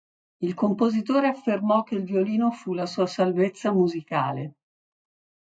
Il compositore affermò che il violino fu la sua salvezza musicale.